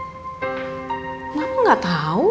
kenapa enggak tahu